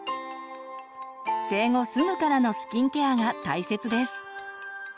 生後すぐからのスキンケアが大切です。